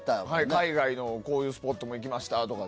海外のこういうスポット行きましたとか。